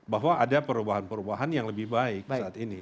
bahwa ada perubahan perubahan yang lebih baik saat ini